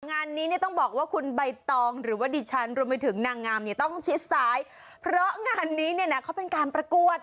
งานนี้เนี่ยต้องบอกว่าคุณใบตองหรือว่าดิฉันรวมไปถึงนางงามเนี่ยต้องชิดซ้ายเพราะงานนี้เนี่ยนะเขาเป็นการประกวด